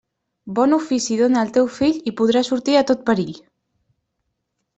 Bon ofici dóna al teu fill i podrà sortir de tot perill.